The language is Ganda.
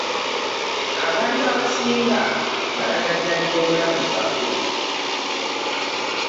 abantu abasinga balagajjalira obulamu bwabwe.